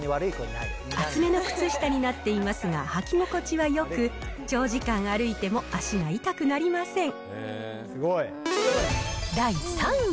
厚めの靴下になっていますが、履き心地はよく、長時間歩いても足が痛くなりません。